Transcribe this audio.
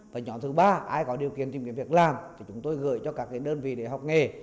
và nhóm thứ ba ai có điều kiện tìm kiếm việc làm thì chúng tôi gửi cho các đơn vị để học nghề